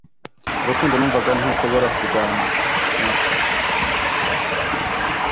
urukundo numvaga ntushobora kurwanywa